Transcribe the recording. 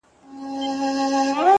o ماته خوښي راكوي؛